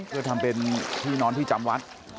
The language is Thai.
เพื่อทำเป็นที่นอนที่จำวัด